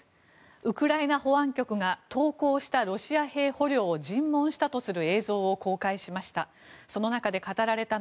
ウクライナ保安局が投降したロシア兵捕虜を尋問したとする映像を公開しました。